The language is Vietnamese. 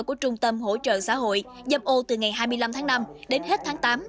của trung tâm hỗ trợ xã hội dâm ô từ ngày hai mươi năm tháng năm đến hết tháng tám